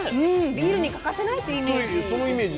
ビールに欠かせないっていうイメージですよね。